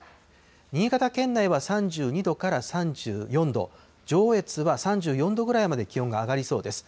新潟県内は３２度から３４度、上越は３４度ぐらいまで気温が上がりそうです。